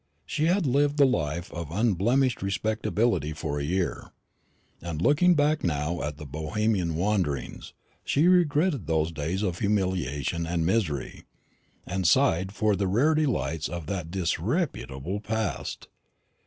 She had lived the life of unblemished respectability for a year, and looking back now at the Bohemian wanderings, she regretted those days of humiliation and misery, and sighed for the rare delights of that disreputable past!